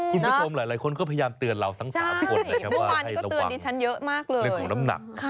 คุณผู้ชมหลายคนก็พยายามเตือนเราทั้ง๓คนให้ระวังเรื่องของน้ำหนัก